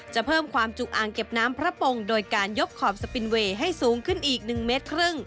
เพิ่มความจุอ่างเก็บน้ำพระปงโดยการยกขอบสปินเวย์ให้สูงขึ้นอีก๑เมตรครึ่ง